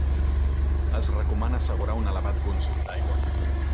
Es recomana assegurar un elevat consum d'aigua.